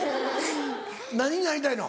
何になりたいの？